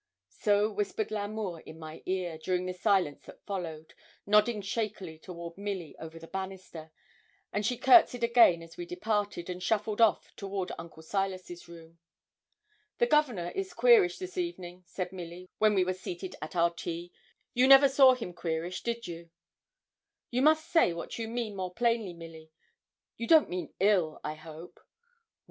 So whispered L'Amour in my ear, during the silence that followed, nodding shakily toward Milly over the banister, and she courtesied again as we departed, and shuffled off toward Uncle Silas's room. 'The Governor is queerish this evening,' said Milly, when we were seated at our tea. 'You never saw him queerish, did you?' 'You must say what you mean, more plainly, Milly. You don't mean ill, I hope?' 'Well!